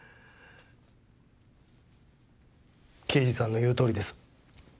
刑事さんの言うとおりです。